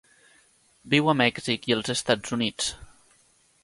Viu a Mèxic i els Estats Units.